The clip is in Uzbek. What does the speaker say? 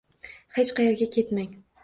Hech qayerga ketmang